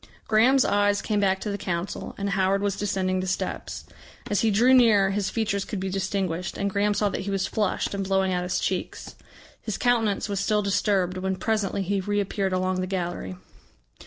Graham's eyes came back to the Council, and Howard was descending the steps. As he drew nearer his features could be distinguished, and Graham saw that he was flushed and blowing out his cheeks. His countenance was still disturbed when presently he reappeared along the gallery.